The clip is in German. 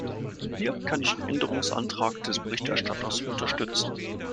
Hier kann ich den Änderungsantrag des Berichterstatters unterstützen.